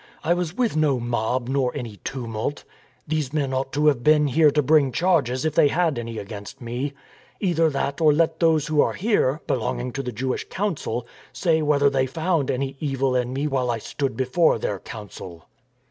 I was with no mob nor any tumult. These men ought to have been here to bring charges if they have any against me. Either that or let those who are here — belonging to the Jewish Council — say whether they found any evil in me while I stood before their Council."